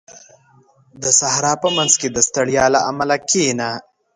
• د صحرا په منځ کې د ستړیا له امله کښېنه.